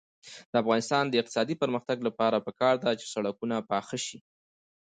د افغانستان د اقتصادي پرمختګ لپاره پکار ده چې سړکونه پاخه شي.